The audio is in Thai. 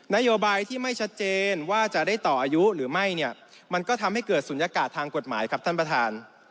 นโยบายที่ไม่ชัดเจนว่าจะได้ต่ออายุหรือไม่เนี่ยมันก็ทำให้เกิดศูนยากาศทางกฎหมายครับท่านประธาน